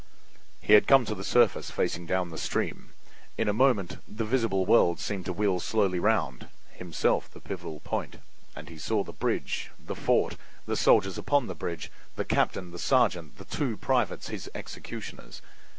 He had come to the surface facing down the stream; in a moment the visible world seemed to wheel slowly round, himself the pivotal point, and he saw the bridge, the fort, the soldiers upon the bridge, the captain, the sergeant, the two privates, his executioners.